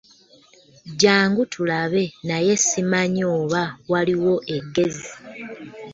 Jangu tulabe naye ssimanyi oba waliwo eggezi.